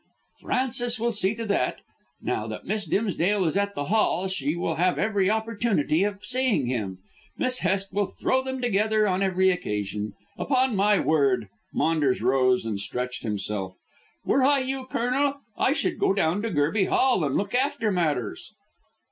"Frances will see to that. Now that Miss Dimsdale is at the Hall she will have every opportunity of seeing him. Miss Hest will throw them together on every occasion. Upon my word," Maunders rose and stretched himself, "were I you, Colonel, I should go down to Gerby Hall and look after matters."